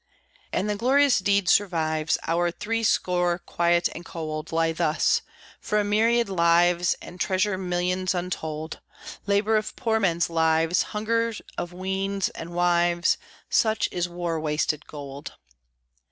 And the glorious deed survives; Our threescore, quiet and cold, Lie thus, for a myriad lives And treasure millions untold (Labor of poor men's lives, Hunger of weans and wives, Such is war wasted gold).